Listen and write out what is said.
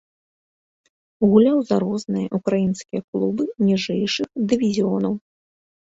Гуляў за розныя ўкраінскія клубы ніжэйшых дывізіёнаў.